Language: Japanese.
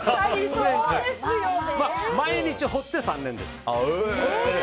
毎日彫って、３年です。